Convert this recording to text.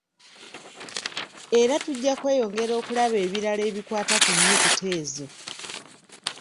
Era tujja kweyongera okulaba ebirala ebikwata ku nnyukuta ezo.